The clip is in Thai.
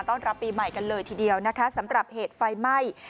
รับปีใหม่กันเลยทีเดียวนะคะสำหรับเหตุไฟไหม้